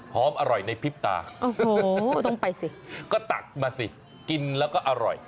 หอมอร่อยในพิบตาก็ตักมาสิกินแล้วก็อร่อย